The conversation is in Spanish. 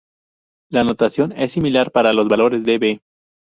La notación es similar para los valores de "b".